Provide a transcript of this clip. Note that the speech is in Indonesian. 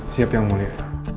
siap yang mulia